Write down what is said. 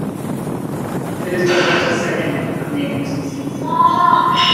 There's perhaps a second, unnamed species.